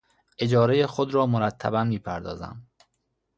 اجارهی خود را مرتبا میپردازم.